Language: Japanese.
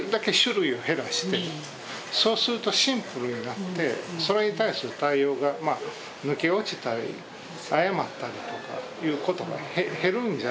そうするとシンプルになってそれに対する対応がまあ抜け落ちたり誤ったりとかっていうことが減るんじゃないか。